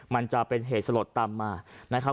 มันจะเป็นเหตุสลดตามมา